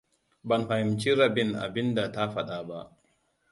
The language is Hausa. Ban fahimci rabin abinda ta faɗa ba.